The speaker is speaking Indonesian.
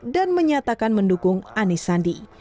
dan menyatakan mendukung anies sandi